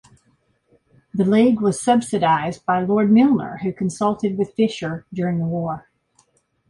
The League was subsidised by Lord Milner, who consulted with Fisher during the war.